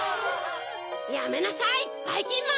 やめなさいばいきんまん！